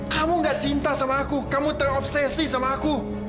kamu gak cinta sama aku kamu terobsesi sama aku